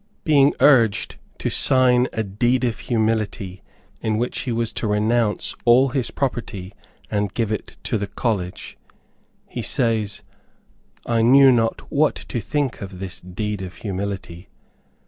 Being urged to sign "a deed of humility," in which he was to renounce all his property and give it to the college, he says, "I knew not what to think of this "deed of humility."